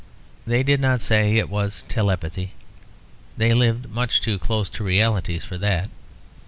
They did not say it was "telepathy"; they lived much too close to realities for that.